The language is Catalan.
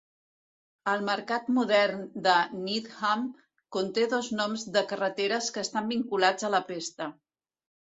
El mercat modern de Needham conté dos noms de carreteres que estan vinculats a la pesta.